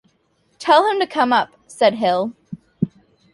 "Tell him to come up," said Hill.